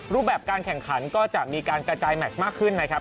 รูปแบบการแข่งขันก็จะมีการกระจายแมชมากขึ้นนะครับ